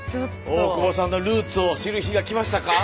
大久保さんのルーツを知る日が来ましたか？